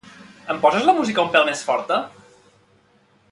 Em poses la música un pèl més forta?